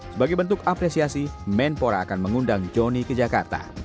sebagai bentuk apresiasi menpora akan mengundang johnny ke jakarta